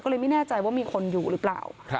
ก็เลยไม่แน่ใจว่ามีคนอยู่หรือเปล่า